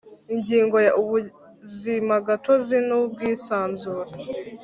Ingingo ya Ubuzimagatozi n ubwisanzure